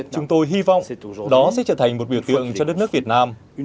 chúng tôi hy vọng đó sẽ trở thành một biểu tượng cho đất nước việt nam